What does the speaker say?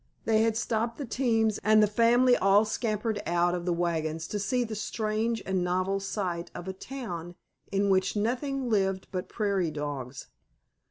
They had stopped the teams, and the family all scrambled out of the wagons to see this strange and novel sight of a "town" in which nothing lived but prairie dogs.